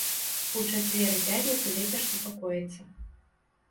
У чацвер і пятніцу вецер супакоіцца.